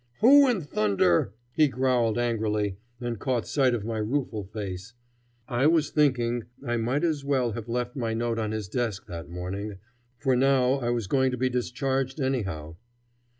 "Who in thunder " he growled angrily and caught sight of my rueful face. I was thinking I might as well have left my note on his desk that morning, for now I was going to be discharged anyhow.